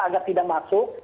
agar tidak masuk